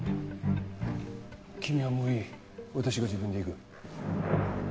君はもういい私が自分で行く。